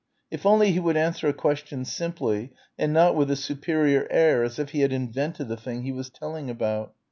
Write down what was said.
If only he would answer a question simply, and not with a superior air as if he had invented the thing he was telling about.